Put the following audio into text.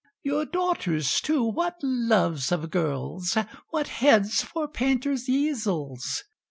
"Your daughters, too, what loves of girls What heads for painters' easels!